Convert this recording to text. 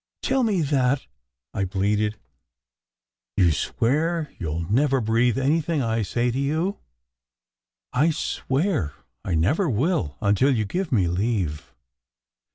"Tell me that," I pleaded. "You swear you ll never breathe anything I say to you?" "I swear I never will, until you give me leave."